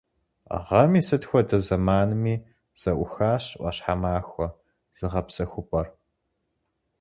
Гъэм и сыт хуэдэ зэманми зэӀухащ «Ӏуащхьэмахуэ» зыгъэпсэхупӀэр.